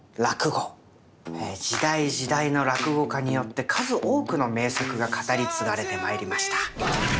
時代時代の落語家によって数多くの名作が語り継がれてまいりました。